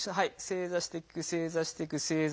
正座していく正座していく。